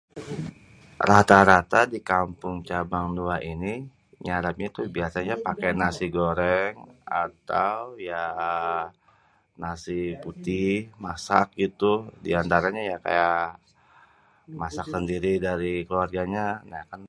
Rata-rata di Kampung Cabang Dua ini, nyarapnya tuh, biasanya pake nasi goreng atau ya nasi putih masak gitu di antaranye ya kayak masak sendiri dari keluarganya.